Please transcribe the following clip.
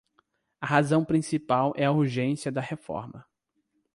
A razão principal é a urgência da reforma.